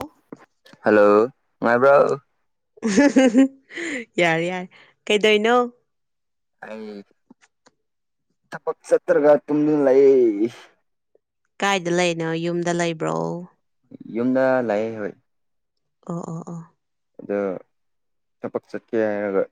ꯑꯣ꯫ ꯍꯜꯂꯣ ꯃꯥꯏꯕ꯭ꯔꯣ꯫ ꯌꯥꯔꯦ ꯌꯥꯔꯦ ꯀꯩꯗꯣꯏꯅꯣ꯫ ꯑꯩ꯫ ꯊꯕꯛ ꯆꯠꯇꯔꯒ ꯇꯨꯝꯗꯨꯅ ꯂꯩ꯫ ꯀꯥꯏꯗ ꯂꯩꯅꯣ ꯌꯨꯝꯗ ꯂꯩꯕ꯭ꯔꯣ꯫ ꯌꯨꯝꯗ ꯂꯥꯛꯌꯦ ꯍꯣꯏ꫰꫰ ꯑꯣ ꯑꯣ ꯑꯣ꯫ ꯑꯗꯨ ꯊꯕꯛ ꯆꯠꯀꯦ ꯍꯥꯏꯔꯒ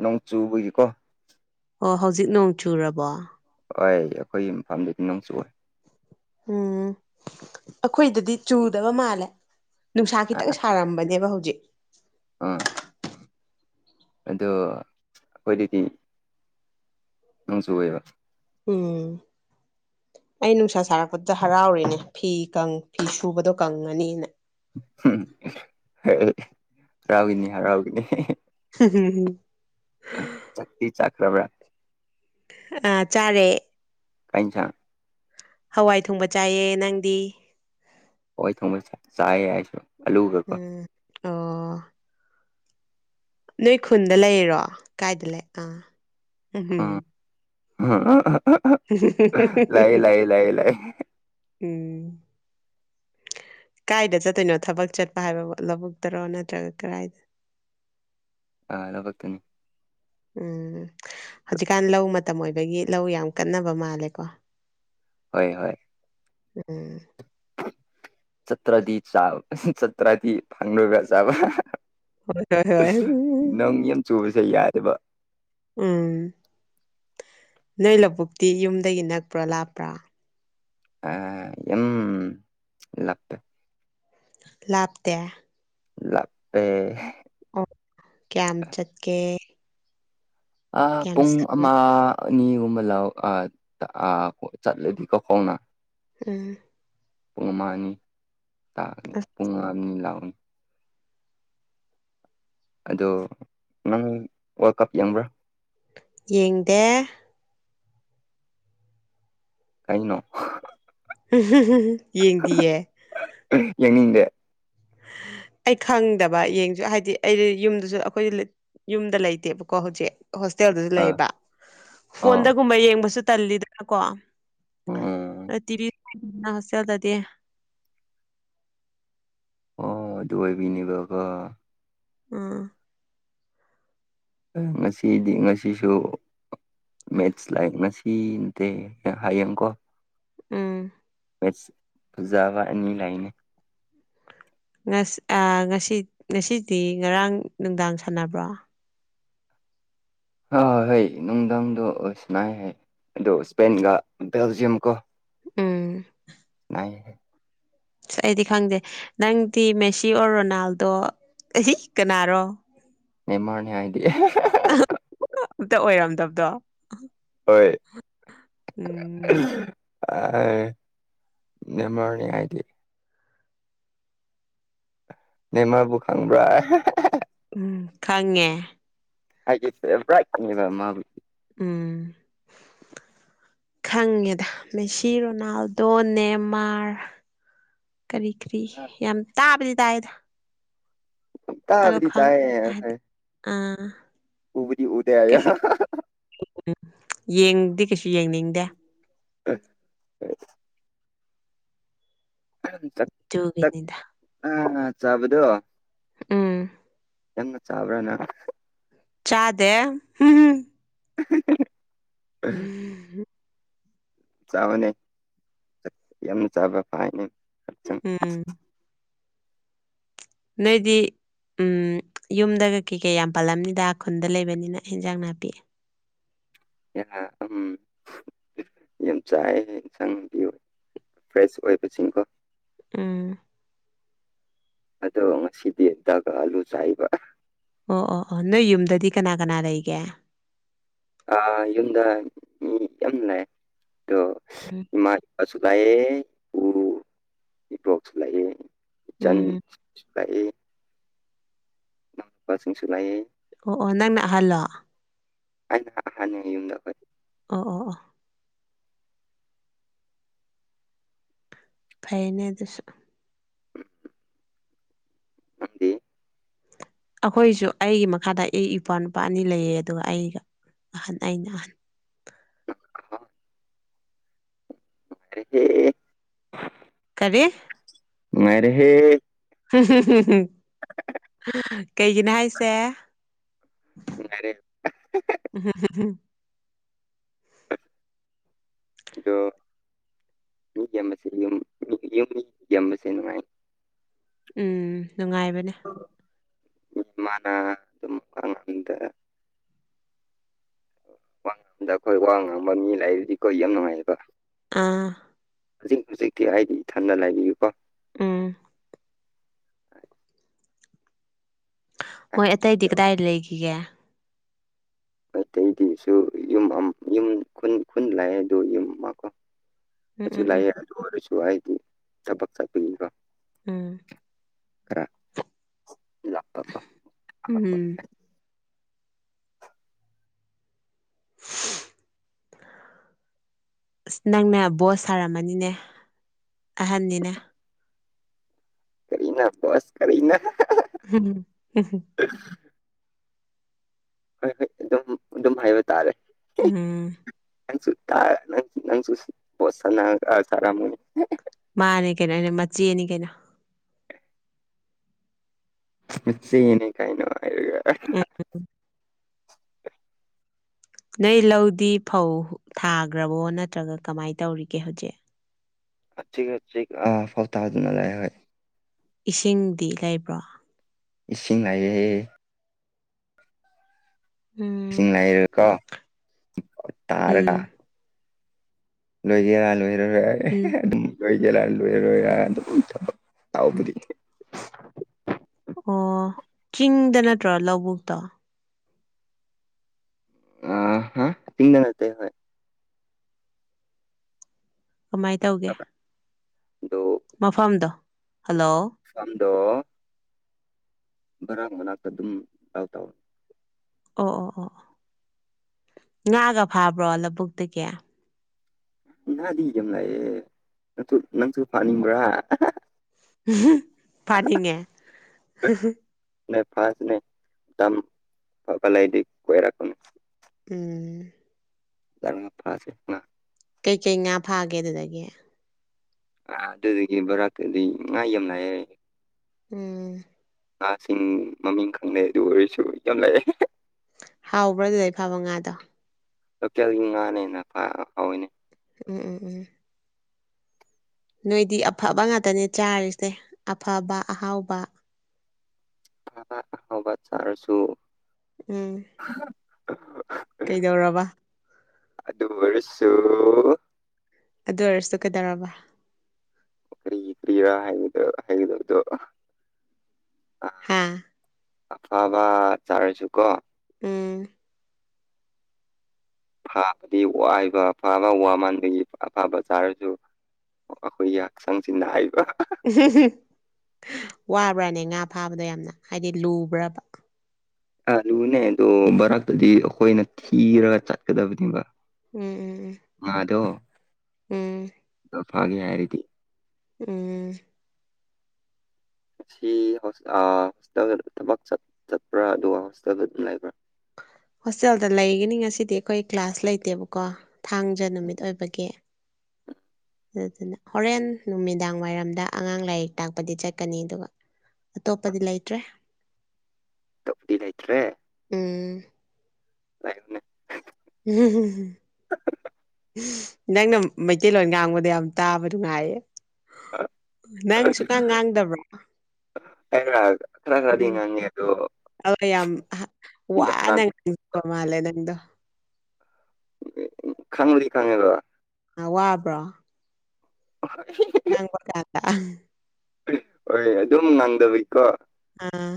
ꯅꯣꯡ ꯆꯨꯕꯒꯤꯀꯣ꯫ ꯑꯣ ꯍꯧꯖꯤꯛ ꯅꯣꯡ ꯆꯨꯔꯕꯣ ꯍꯣꯏ ꯑꯩꯈꯣꯏꯒꯤ ꯃꯐꯝꯗꯨꯗꯤ ꯅꫭꯡ ꯆꯨꯏꯑꯦ ꯎꯝ ꯑꯩꯈꯣꯏꯗꯗꯤ ꯆꯨꯗꯕ ꯃꯥꯜꯂꯦ ꯅꯨꯡꯁꯥ ꯈꯤꯇꯪ ꯁꯥꯔꯝꯕꯅꯦꯕ ꯍꯧꯖꯤꯛ ꯑ ꯑꯗꯣ ꯑꯩꯈꯣꯏꯗꯗꯤ ꯅꫭꯡ ꯆꯨꯑꯑꯦꯕ ꯎꯝ ꯑꯩ ꯅꯨꯡꯁꯥ ꯁꯥꯔꯛꯄꯗꯨꯗ ꯍꯔꯥꯎꯔꯤꯅꯦ ꯐꯤ ꯀꯪ ꯐꯤ ꯁꯨꯕꯗꯣ ꯀꯪꯉꯅꯤꯅ [unintelligible] ꯍꯔꯥꯎꯒꯅꯤ ꯍꯔꯥꯎꯒꯅꯤ [unintelligible] ꯆꯠꯇꯤ ꯆꯠꯈꯔꯕ꯫ ꯑ ꯆꯥꯔꯦ꯫ ꯀꯩꯟ ꯏꯟꯁꯥꯡ꯫ ꯍꯋꯥꯏ ꯊꯣꯡꯕ ꯆꯥꯏꯌꯦ ꯅꯪꯗꯤ꯫ ꯍꯥꯋꯥꯏ ꯊꯣꯡꯕ ꯆꯥꯏꯌꯦ ꯑꯩꯁꯨ ꯑꯂꯨꯒꯀꯣ꯫ ꯎꯝ ꯑꯣ꯫ ꯅꯣꯏ ꯈꯨꯟꯗ ꯂꯩꯔꯤꯔꯣ ꯀꯥꯏꯗ ꯂꯩ ꯑꯥ꯫ ꯎꯝ ꯂꯩꯌꯦ ꯂꯩꯌꯦ ꯂꯩꯌꯦ ꯂꯩ꯫ ꯎꯝ꯫ ꯀꯥꯏꯗ ꯆꯠꯇꯣꯏꯅꯣ ꯊꯕꯛ ꯆꯠꯄ ꯍꯥꯏꯕ ꯂꯧꯕꯨꯛꯇꯔꯣ ꯅꯠꯇ꯭ꯔꯒ ꯀꯔꯥꯏꯗ꯫ [inaudible] ꯑꯥ ꯂꯧꯕꯨꯛꯛꯇꯅꯤ ꯎꯝ ꯍꯧꯖꯤꯛꯀꯥꯟ ꯂꯧ ꯃꯇꯝ ꯑꯣꯏꯕꯒꯤ ꯂꯧ ꯌꯥꯝ ꯀꯟꯅꯕ ꯃꯥꯜꯂꯦꯀꯣ ꯍꯣꯏ ꯍꯣꯏ ꯎꯝ ꯆꯇ꯭ꯔꯥꯗꯤ ꯆ ꯆꯇ꯭ꯔꯥꯗꯤ ꯐꯪꯂꯒ ꯆꯕ ꯍꯣꯏ ꯍꯣꯏ ꯍꯣꯏ ꯎꯝ ꯅꫭꯡ ꯌꯥꯝ ꯆꯨꯕꯁꯦ ꯌꯥꯗꯦꯕ ꯎꯝ ꯅꯣꯏ ꯂꯧꯕꯨꯛꯇꯤ ꯌꯨꯝꯗꯒꯤ ꯅꯛꯄ꯭ꯔꯣ ꯂꯥꯞꯄ꯭ꯔꯥ [unintelligible] ꯌꯨꯝ ꯂꯥꯞꯄꯦ ꯂꯥꯞꯇꯦ ꯂꯥꯞꯄꯦ ꯑꯣ ꯀꯌꯥꯝ ꯆꯠꯀꯦ ꯑ ꯀꯌꯥꯝ ꯄꯨꯡ ꯁꯥꯡ ꯑꯃ ꯑꯅꯤꯒꯨꯝꯕ ꯂꯧ ꯑ ꯇ ꯆꯠꯂꯦꯕꯀꫫ ꯈꫭꯡꯅ ꯎꯝ ꯄꯨꯡ ꯑꯃꯥꯅꯤ ꯇꯥꯒꯅꯤ ꯑꯁ ꯄꯨꯡ ꯑꯅꯤ ꯂꯥꯎꯒꯅꯤ ꯑꯗꯣ ꯅꯪ ꯋꯥꯔꯜ ꯀꯞ ꯌꯥꯝꯕ꯭ꯔꯥ ꯌꯦꯡꯗꯦ ꯀꯩꯅꯣ [unintelligible] ꯌꯦꯡꯗꯤꯌꯦ ꯌꯦꯅꯤꯡꯗꯦ ꯑꯩ ꯈꯪꯗꯕ ꯌꯦꯡꯁꯨ ꯍꯥꯏꯗꯤ ꯑꯩ ꯌꯨꯝꯗꯨꯁꯨ ꯑꯩꯈꯣꯏ ꯌꯨꯝꯗ ꯂꯩꯇꯦꯕꯀꯣ ꯍꯧꯖꯤꯛ ꯍꯣꯁꯇꯦꯜꯗꯁꯨ ꯑꯥ ꯂꯩꯌꯦꯕ ꯑꯥ ꯐꯣꯟꯗꯒꯨꯝꯕ ꯌꯦꯡꯕꯁꯨ ꯇꯜꯂꯤꯗꯅꯀꯣ ꯎꯝ [unintelligible] ꯑꯣ ꯑꯗꯨ ꯑꯣꯏꯕꯤꯅꯦꯕꯀꯣ ꯑ ꯉꯁꯤꯗꯤ ꯉꯁꯤꯁꯨ ꯃꯦꯠꯁ ꯂꯩ ꯉꯁꯤ ꯏꯤ ꯀꯩꯇ ꯍꯌꯦꯡꯀꯣ ꯎꯝ ꯐꯖꯕ ꯑꯅꯤ ꯂꯩꯅꯤ ꯉꯠꯁ ꯑ ꯉꯁꯤ ꯉꯁꯤꯗꯤ ꯉꯔꯥꯡ ꯅꯨꯡꯗꯥꯡ ꯁꯥꯟꯅꯕ꯭ꯔꯣ ꯑ ꯍꯣꯏ ꯅꯨꯡꯗꯥꯡꯗꯣ ꯑꯣꯏ ꯁꯥꯅꯩ ꯍꯥꯏ ꯑꯗꯣ ꯏꯁꯄꯦꯟꯒ ꯕꯦꯜꯖꯤꯌꯝ ꯀꯣ ꯎꯝ ꯍꯥꯏ ꯑꯁ ꯑꯩꯗꯤ ꯈꯪꯗꯦ ꯅꯪꯗꯤ ꯃꯦꯁꯤ ꯑꯣꯔ ꯔꯣꯅꯥꯜꯗꯣ ꯀꯅꯥꯔꯣ ꯅꯦꯃꯥꯔꯅꯦ ꯍꯥꯏꯗꯤ ꯑꯝꯇ ꯑꯣꯏꯔꯝꯗꯕꯗꯣ ꯍꯣꯏ ꯎꯝ ꯑ ꯅꯦꯃꯔꯅꯤ ꯍꯥꯏꯗꯤ ꯅꯦꯃꫪꯕꯨ ꯈꯪꯕ꯭ꯔ ꯎꯝ ꯈꯪꯉꯦ ꯑꯩꯒꯤ ꯐꯦꯕ꯭ꯔꯥꯏꯠꯅꯤꯅ ꯃꯥꯕꯨꯗꯤ ꯎꯝ ꯈꯪꯉꯦꯗ ꯃꯦꯁꯤ ꯔꯣꯅꯥꯜꯗꯣ ꯅꯦꯃꯥꯔ ꯀꯔꯤ ꯀꯔꯤ ꯌꯥꯝ ꯇꯥꯕꯗꯤ ꯇꯥꯏꯗ ꯑꯗꯣ ꯇꯥꯕꯗꯤ ꯈꯪ ꯇꯥꯏꯌꯦ ꯍꯥꯏꯗꯤ ꯍꯣꯏ ꯑꯥ ꯎꯕꯗꯤ ꯎꯗꯦ ꯍꯥꯏꯌꯣ ꯎꯝ ꯌꯦꯡꯗꯤ ꯀꯩꯁꯨ ꯌꯦꯡꯅꯤꯡꯗꯦ ꯑ ꯑꯩ ꯆꯠ ꯇꯨꯒꯤꯅꯤꯗꯥ ꯑ ꯍꯥ ꯆꯥꯕꯗꯣ ꯎꯝ ꯌꯥꯝꯅ ꯆꯥꯕ꯭ꯔꯥ ꯅꯪ ꯆꯥꯗꯦ ꯍꯨꯝꯍꯨꯝ [unintelligible] ꯆꯥꯕꯅꯦ ꯌꯥꯝ ꯆꯥꯕ ꯐꯥꯏꯟꯅꯦ ꯎꯝ ꯎꯝ ꯅꯣꯏꯗꯤ ꯎꯝ ꯌꯨꯝꯗꯒ ꯀꯩ ꯀꯩ ꯌꯥꯝ ꯄꯥꯜꯂꯝꯅꯤꯗ ꯈꯨꯟꯗ ꯂꯩꯕꯅꯤꯅ ꯏꯟꯖꯥꯡ ꯅꯥꯄꯤ ꯌꯥꯔ ꯎꯝ ꯌꯥꯝ ꯆꯥꯏ ꯏꯟꯁꯥꯡ ꯄꯤꯌꯨ ꯐ꯭ꯔꯦꯁ ꯑꯣꯏꯕꯁꯤꯡꯀꯣ ꯎꯝ ꯑꯗꯣ ꯉꯁꯤꯗꯤ ꯗꯒ ꯑꯂꯨ ꯆꯥꯏꯕ ꯑꯣ ꯑꯣ ꯑꯣ ꯅꯣꯏ ꯌꯨꯝꯗꯗꯤ ꯀꯅꯥ ꯀꯅꯥ ꯂꯩꯒꯦ ꯑ ꯌꯨꯝꯗ ꯃꯤ ꯌꯥꯝ ꯂꯩ ꯑꯗꯣ ꯍꯨꯝ ꯏꯃꯥ ꯏꯄꯥꯁꯨ ꯂꯩꯌꯦ ꯎꯝ ꯏꯕꯣꯛꯁꯨ ꯂꯩꯌꯦ ꯏꯆꯟ ꯎꯝ ꯁꯨꯂꯥꯛꯑꯦ ꯏꯄꯥꯁꯤꯡꯁꯨ ꯂꯩꯥꯑꯦ ꯑꯣ ꯑꯣ ꯅꯪꯅ ꯑꯍꯜꯂꯣ ꯑꯩꯅ ꯑꯍꯟꯅꯦ ꯌꯨꯝꯗ ꯑꯩꯈꯣꯏ ꯑꯣ ꯑꯣ ꯑꯣ ꯐꯩꯅꯦ ꯑꯗꯨꯁꯨ ꯅꯪꯗꯤ ꯑꯈꯣꯏꯁꯨ ꯑꯩꯒꯤ ꯃꯈꯥꯗ ꯑꯩ ꯏꯄ꯭ꯋꯥꯅꯨꯄꯥ ꯑꯅꯤ ꯂꯩꯌꯦ ꯑꯗꯨꯒ ꯑꯩꯒ ꯑꯍꯟ ꯑꯩꯅ ꯑꯍꯟ ꯀꯥꯏꯗꯦ ꯀꯔꯤ ꯅꯨꯡꯉꯥꯏꯔꯦꯍꯦ ꯀꯩꯒꯤꯅꯣ ꯍꯥꯏꯁꯦ [unintelligible] ꯑꯍꯝ ꯍꯝ ꯍꯝ ꯑꯗꯣ [inaudible] ꯎꯝ ꯅꯨꯡꯉꯥꯏꯕꯅꯦ ꯃ ꯑꯗꯨꯝꯀꯗ [unintelligible] ꯋꯥ ꯉꯥꯡꯝꯗ ꯑꯩꯈꯣꯏ ꯋꯥ ꯉꯥꯡꯝꯕ ꯃꯤ ꯂꯔꯗꯤ ꯀꯣ ꯌꯥꯝ ꯅꯨꯡꯉꯥꯏꯌꯦꯕ ꯑꯥ ꯍꯧꯖꯤꯛ ꯍꯧꯖꯤꯛꯇꯤ ꯑꯩꯗꯤ ꯏꯊꯟꯗ ꯂꯩꯕꯤꯌꯨꯀꯣ ꯎꯝ ꯃꯣꯏ ꯑꯇꯩꯗꯤ ꯀꯗꯥꯏꯗ ꯂꯩꯈꯤꯒꯦ ꯃꯩꯇꯩꯗꯤꯁꯨ ꯌꯨꯝ ꯑꯃ ꯌꯨꯝ ꯈꯨꯟ ꯈꯨꯟ ꯂꯥꯛꯑꯦ ꯑꯗꯨ ꯌꯨꯝ ꯑꯃꯀꯣ ꯎꯝ ꯑꯁꯨ ꯎꯝ ꯎꯝ ꯂꯩꯌꯦ ꯑꯗꯨ ꯑꯣꯏꯔꯁꯨ ꯍꯥꯏꯗꯤ ꯊꯕꯛ ꯆꯠꯄꯤꯅꯤꯀꯣ ꯎꯝ ꯈꯔ ꯂꯥꯛꯄ ꯎꯝ ꯑꯁ ꯅꯪꯅ ꯕꯣꯁ ꯁꯥꯔꯝꯃꯅꯤꯅꯦ ꯑꯍꯟꯅꯤꯅ ꯀꯔꯤꯅ [unintelligible] ꯀꯔꯤꯅ ꯍꯝ ꯍꯝ ꯍꯣꯏ ꯍꯣꯏ ꯑꯗꯨꯝ ꯑꯗꯨꯝ ꯍꯥꯏꯕ ꯇꯥꯔꯦ ꯎꯝ ꯇꯪ ꯅꯪ ꯆꯣ ꯁꯔꯥ ꯃꯅꯤ [unintelligible] ꯃꯥꯅꯦ ꯀꯩꯅꯣ ꯃꯆꯦꯅꯤ ꯀꯩꯅꯣ ꯃꯆꯦꯅꯤ ꯀꯩꯅꯣ ꯍꯥꯏꯔ ꯎꯝ ꯅꯣꯏ ꯂꯧꯗꯤ ꯐꯧ ꯊꯥꯈ꯭ꯔꯕꯣ ꯅꯠꯇ꯭ꯔꯒ ꯀꯃꯥꯏꯅ ꯇꯧꯔꯤꯒꯦ ꯍꯧꯖꯤꯛ ꯊꯤ ꯑꯥ ꯐꯥꯎ ꯇꯥꯗꯨꯅ ꯂ ꯂꯩꯑꯦ ꯍꯣꯏ [unintelligible] ꯏꯁꯤꯡꯗꯤ ꯂꯩꯕ꯭ꯔꯣ ꯏꯁꯤꯡ ꯂꯩꯌꯦ ꯎꯝ [unintelligible] ꯀꯣ ꯇꯥꯔꯒ ꯎꯝ ꯂꯣꯏꯒꯦꯔꯥ ꯂꯣꯏꯔꯔꯣꯏꯔ ꯎꯝ ꯑꯗꯨꯝ ꯂꯣꯏꯒꯦꯔꯥ ꯂꯣꯏꯔꯔꯣꯏꯔ ꯑꯗꯨꯝ ꯊꯕꯛ ꯍꯥꯎꯕꯗꯤ ꯑꯣ ꯆꯤꯡꯗ ꯅꯠꯇ꯭ꯔꯣ ꯂꯧꯕꯨꯛꯇꯣ ꯑ ꯍꯥ ꯆꯤꯡꯗ ꯅꯠꯇꯦ ꯍꯣꯏ ꯀꯃꯥꯏ ꯇꯧꯒꯦ ꯗꯣ ꯃꯐꯝꯗꯣ ꯍꯜꯂꯣ ꯐꯗꯣ [unintelligible] ꯕꯔꯥꯡ ꯃꯅꯥꯛꯇ ꯑꯗꯨꯝ ꯂꯥꯎ ꯇꯥꯎ [unintelligible] ꯑꯣ ꯑꯣ ꯑꯣ ꯉꯥꯒ ꯐꯥꯕ꯭ꯔꯣ ꯂꯧꯕꯨꯛꯇꯒꯤ ꯉꯥꯗꯤ ꯑꯗꯨꯝ ꯂꯩꯌꯦ ꯅꯪꯁꯨ ꯅꯪꯁꯨ ꯐꯥꯅꯤꯡꯕ꯭ꯔꯥ ꯍꯝ ꯐꯅꯤꯡꯉ ꯍꯝ ꯍꯝ ꯅ ꯐꯥꯁ ꯅ ꯇꯝ ꯐꯂꯥꯏꯗꯤ ꯀꯣꯏꯔꯀꯣꯅꯤ ꯎꯝ ꯆꯔꯃ ꯐꯁꯦ [unintelligible] ꯀꯩ ꯀꯩ ꯉꯥ ꯐꯥꯒꯦ ꯑꯗꯨꯗꯒꯤ ꯑ ꯑꯗꯨꯗꯒꯤ ꯕꯣꯔꯥꯛꯀꯗꯤ ꯉꯥ ꯌꯥꯝ [unintelligible] ꯎꯝ ꯉꯥꯁꯤꯡ ꯃꯃꯤꯡ ꯈꯪꯂꯦ ꯑꯗꯨ ꯑꯣꯏꯔꯁꯨ ꯌꯥꯝ ꯂꯥꯛꯑꯦ ꯍꯥꯎꯕ꯭ꯔꯥ ꯑꯗꯨꯗꯩ ꯐꯥꯕ ꯉꯥꯗꯣ ꯂꯣꯀꯦꯜꯒꯤ ꯉꯥꯅꯤꯅ ꯑ ꯍꯥꯎꯋꯤꯅꯦ ꯎꯝ ꯎꯝ ꯎꯝ ꯅꯣꯏꯗꯤ ꯑꯐꯕ ꯉꯥꯛꯇꯅꯦ ꯆꯥꯔꯤꯁꯦ ꯑꯐꯕ ꯑꯍꯥꯎꯕ ꯉꯟꯅ ꯍꯧꯒꯠ ꯇꯥꯔꯁꯨ ꯎꯝ [unintelligible] ꯀꯩꯗꯧꯔꯕ ꯑꯗꯨꯝꯕꯒꯁꯨꯨ ꯑꯗꯨ ꯑꯣꯏꯔꯁꯨ ꯀꯩꯗꯧꯔꯕ ꯀꯔꯤ ꯀꯔꯤꯔꯥ ꯍꯥꯏꯒꯗ ꯍꯥꯏꯒꯗꯕꯗꯣ ꯍꯥ ꯑꯐꯕ ꯆꯥꯔꯁꯨ ꯀꯣ ꯎꯝ ꯐꯥꯕꯗꯤ ꯋꯥꯏꯕ ꯐꯥꯕ ꯋꯥ ꯃꯥꯟꯕꯒꯤ ꯑꯐꯕ ꯆꯥꯔꯁꯨ ꯑꯣ ꯑꯩꯈꯣꯏꯒꯤ ꯍꯛꯆꯥꯡꯁꯤ ꯍꯥꯏꯕ ꯋꯥꯕ꯭ꯔꯥꯅꯦ ꯉꯥ ꯐꯥꯕꯗ ꯌꯥꯝꯅ ꯍꯥꯏꯗꯤ ꯂꯨꯕ꯭ꯔꯕ ꯑ ꯂꯨꯅꯦ ꯑꯗꯣ ꯃꯔꯛꯇꯗꯤ ꯑꯩꯈꯣꯏꯅ ꯊꯤꯔꯒ ꯆꯠꯀꯗꯕꯅꯦꯕ ꯎꯝ ꯎꯝ ꯎꯝ ꯃꯥꯗꯣ ꯎꯝ ꯐꯒꯦ ꯍꯥꯏꯔꯗꯤ ꯎꯝ ꯉ ꯍꯣꯁꯇꯦꯜ ꯊꯕꯛ ꯆꯠꯄ꯭ꯔꯥ ꯑꯗꯨꯒ ꯍꯣꯁꯇꯦꯜꯗ ꯑꯗꯨꯝ ꯂꯩꯕ꯭ꯔꯥ ꯍꯣꯁꯇꯦꯜꯗ ꯂꯩꯒꯅꯤ ꯉꯁꯤꯗꯤ ꯑꯩꯈꯣꯏ ꯀ꯭ꯂꯥꯁ ꯂꯩꯇꯦꯕꯀꯣ ꯊꯥꯡꯖ ꯅꯨꯃꯤꯠ ꯑꯣꯏꯕꯒꯤ ꯑꯗꯨꯗꯨꯅ ꯍꯣꯔꯦꯟ ꯅꯨꯃꯤꯗꯥꯡ ꯋꯥꯏꯔꯝꯗ ꯑꯉꯥꯡ ꯂꯥꯏꯔꯤꯛ ꯇꯥꯛꯄꯗꯤ ꯆꯠꯀꯅꯤ ꯑꯗꯨꯒ ꯑꯇꯣꯞꯄꯗꯤ ꯂꯩꯇ꯭ꯔꯦ ꯇꫭꯞꯇꯤ ꯂꯩꯇꯔꯦ ꯎꯝ ꯂꯩꯅꯦ ꯎꯝ ꯅꯪꯅ ꯃꯩꯇꯩꯂꯣꯟ ꯉꯥꯡꯕꯗ ꯌꯥꯝ ꯇꯥꯕ ꯅꯨꯡꯉꯥꯏꯌꯦ ꯅꯪ ꯁꯨꯛꯉꯥꯡ ꯉꯥꯡꯗꯕ꯭ꯔꫭ ꯑꯩꯅ ꯈꯔ ꯈꯔꯗꯤ ꯎꯝ ꯉꯥꯡꯉꯦ ꯑꯗꯣ ꯑꯗꫭ ꯌꯥꯝ ꯌꯥꯝ ꯋꯥꯅ ꯉꯥꯡ ꯂꯤꯛꯄ ꯃꯥꯜꯂꯦ ꯅꯪꯗꯣ ꯎꯝ ꯈꯪꯕꯨꯗꯤ ꯈꯪꯉꯦꯕ ꯑ ꯋꯥꯕ꯭ꯔꯣ ꯑ [unintelligible] ꯉꯥꯡꯕ ꯀꯥꯟꯗ ꯑꯥ ꯍꯣꯏ ꯑꯗꯨꯝ ꯉꯪꯗꯕꯩꯀꯣ ꯑꯥ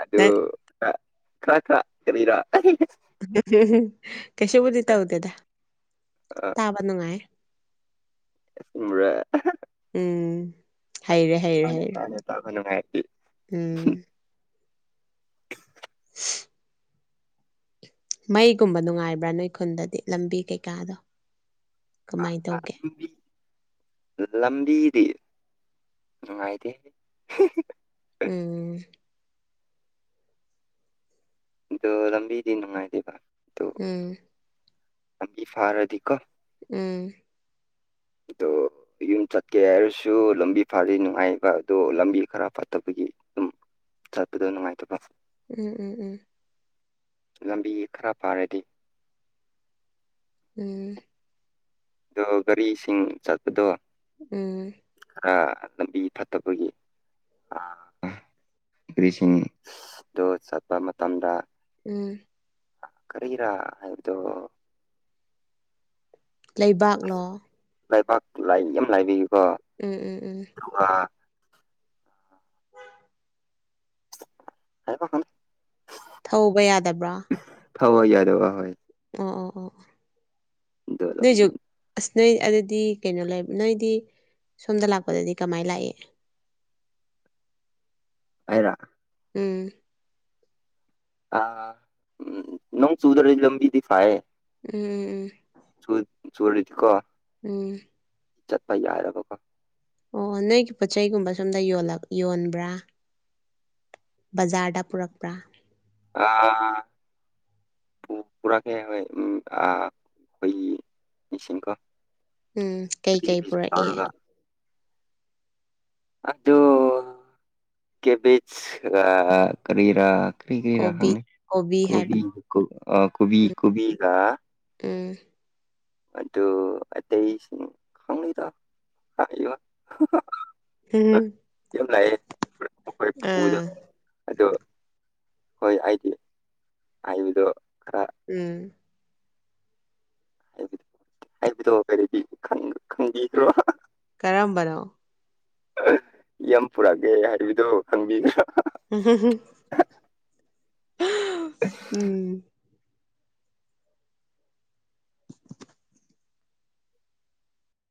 ꯑꯗꯨ ꯅꯪ ꯈꯥ ꯈꯥ ꯀꯕꯤꯔ ꯀꯩꯁꯨꯕꯨꯗꯤ ꯇꯧꯗꯦꯗ ꯇꯥꯕ ꯅꯨꯡꯉꯥꯏ ꯑꯆꯨꯝꯕꯔ ꯑꯍꯥ ꯎꯝ ꯍꯩꯔꯦ ꯍꯩꯔꯦ ꯍꯩꯔꯦ ꯇꯥꯅꯦ ꯇꯥꯕꯅꯨꯡ ꯉꯥꯏꯔꯗꯤ ꯎꯝ [inaudible] ꯍ [unintelligible] ꯃꯩꯒꯨꯝꯕ ꯅꯨꯡꯉꯥꯏꯕ꯭ꯔꯥ ꯅꯣꯏ ꯈꯨꯟꯗꯗꯤ ꯂꯝꯕꯤ ꯀꯩꯀꯥꯗꯣ ꯑꯥ ꯀꯃꯥꯏꯅ ꯑꯥ ꯇꯧꯒꯦ ꯑꯗꯨꯒꯤ ꯂꯝꯕꯤꯗꯤ ꯅꯨꯡꯉꯥꯏꯇꯦ ꯎ ꯑꯗꯣ ꯂꯝꯕꯤꯗꯤ ꯅꯨꯡꯉꯥꯏꯗꯦꯕ ꯎꯝ ꯐꯔꯗꯤꯀꯣ ꯎꯝ ꯇꯣ ꯌꯨꯝ ꯆꯠꯀꯦ ꯍꯥꯏꯔꯁꯨ ꯂꯝꯕꯤ ꯐꯔꯤ ꯅꯨꯡꯉꯥꯏꯕ ꯑꯗꯣ ꯂꯝꯕꯤ ꯈꯔ ꯐꯠꯇꯕꯒꯤ ꯑꯗꯨꯝ ꯆꯄꯗꯣꯅꯨꯡꯉꯥꯏ ꯄ ꯎꯝ ꯎꯝ ꯎꯝ ꯂꯝꯕꯤ ꯈꯔ ꯐꯥꯔꯗꯤ ꯎꯝ ꯑꯗꯣ ꯒꯥꯔꯤꯁꯤꯡ ꯆꯠꯄꯗꯣ ꯎꯝ ꯈꯔ ꯂꯝꯕꯤ ꯐꯠꯇꯕꯒꯤ ꯑꯥ ꯔꯤꯁꯤꯡꯗꯣ ꯆꯠꯄ ꯃꯇꯝꯗ ꯎꯝ ꯀꯔꯤꯍꯤꯔꯥ ꯏꯔꯗꯨ ꯑ ꯂꯩꯕꯥꯛꯂꯣ ꯂꯩꯕꯥꯛ ꯂꯥꯏꯛ ꯌꯥꯝ ꯂꯥꯏꯕꯤꯌꯨꯀꯣ ꯎꯝ ꯎꯝ ꯎꯝ ꯑ ꯍꯥꯏꯕ ꯈ ꯊꯧꯕ ꯌꯥꯗꯕ꯭ꯔꯥ ꯐꯋꯥ ꯌꯥꯗ ꯑ ꯍꯣꯏ ꯑꯥ ꯑꯥ ꯑꯥ ꯑꯥ [inaudible] ꯅꯣꯏꯁꯨ ꯑꯁ ꯅꯣꯏ ꯑꯗꯨꯗꯤ ꯀꯩꯅꯣ ꯂꯩ ꯅꯣꯏꯗꯤ ꯁꯣꯝꯗ ꯂꯥꯛꯄꯗꯗꯤ ꯀꯃꯥꯏꯅ ꯂꯥꯛꯑꯦ ꯑꯩꯔꯣ ꯎꯝ ꯑ ꯎꯝ ꯅꯣꯡ ꯆꯨꯗ꯭ꯔꯗꯤ ꯂꯝꯕꯤꯗꯤ ꯐꯌꯦ ꯎꯝ ꯎꯝ ꯎꯝ ꯆ ꯆꯔꯤꯗꯤ ꯀꯣ ꯎꯝ ꯆꯠꯄ ꯌꯥꯏꯔꯕꯀꯣ ꯑꯣ ꯅꯣꯏꯒꯤ ꯄꯣꯠ ꯆꯩꯒꯨꯝꯕ ꯁꯣꯝꯗ ꯌꯣꯟꯕ꯭ꯔꯥ ꯕꯖꯥꯔꯗ ꯄꯨꯔꯛꯄ꯭ꯔꯥ ꯑ ꯄꯨ ꯄꯨꯔꯥꯀꯦ ꯍ ꯎ ꯑ ꯈꯣꯢꯒꯤ ꯃꯤꯁꯤꯡꯀꯣ ꯎꯝ ꯀꯩꯀꯩ ꯄꯨꯔꯛꯏ ꯇꯧꯔꯒ ꯑꯗꯨ ꯀꯦꯕꯤꯆ ꯀꯔꯤꯔꯥ ꯀ꯭ꯔꯤ ꯀ꯭ꯔꯤ ꯀꯣꯕꯤ ꯔꯪꯅ ꯍꯥꯏꯕ ꯀꯣꯕꯤ ꯑ ꯀꯣꯕꯤ ꯀꯕꯤ ꯎꯝ ꯑꯗꯨ ꯑꯇꯩꯁꯤꯡ ꯈꯪꯂꯤꯗꯣ ꯏ ꯎꯝ ꯑꯥ [unintelligible] ꯑꯗꯣ ꯍꯣꯏ ꯑꯩꯗꯤ ꯍꯥꯏꯕꯗꯣ ꯈꯔ ꯎꯝ ꯕꯗ ꯍꯥꯏꯕꯗꯣ ꯀꯔꯤꯗꯤ ꯈꯪꯕꯤꯈ꯭ꯔꯣ ꯀꯔꯝꯕꯅꯣ ꯌꯥꯝ ꯄꯨꯔꯛꯑꯒꯦ ꯍꯥꯏꯕꯗꯨ ꯈꯪꯕꯤꯈ꯭ꯔꯥ ꯎꯝ ꯍ ꯍ ꯎꯝ